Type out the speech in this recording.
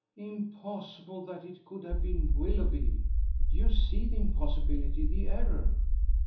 "Impossible that it could have been Willoughby!" "You see the impossibility, the error!"